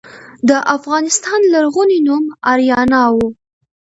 د افغانستان لرغونی نوم اریانا و